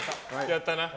やったな？